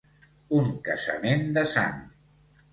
Un casament de sang.